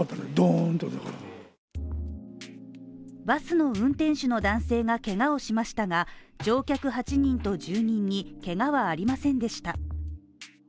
バスの運転手の男性がけがをしましたが、乗客８人と住人にけがはありませんでした。